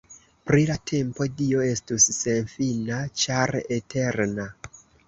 Pri la tempo, Dio estus senfina ĉar eterna.